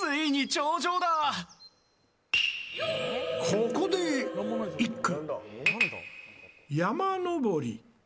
ここで一句。